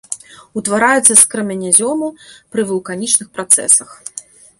Утвараецца з крэменязёму пры вулканічных працэсах.